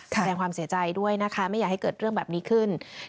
แสดงความเสียใจด้วยนะคะไม่อยากให้เกิดเรื่องแบบนี้ขึ้น